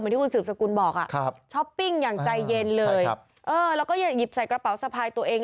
ที่คุณสืบสกุลบอกอ่ะครับช้อปปิ้งอย่างใจเย็นเลยแล้วก็หยิบใส่กระเป๋าสะพายตัวเอง